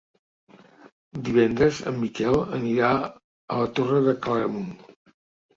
Divendres en Miquel anirà a la Torre de Claramunt.